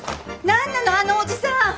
何なのあのおじさん！